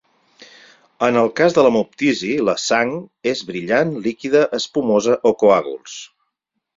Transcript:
En el cas de l'hemoptisi la sang és brillant, líquida, espumosa o coàguls.